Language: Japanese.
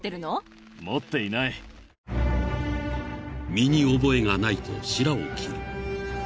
［身に覚えがないとしらを切り］